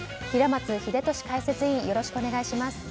平松秀敏解説委員よろしくお願いします。